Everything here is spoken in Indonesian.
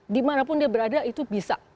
dimanapun dia berada itu bisa